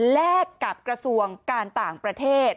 แลกกับกระทรวงการต่างประเทศ